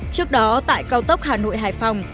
trước đó tại cao tốc hà nội hải phòng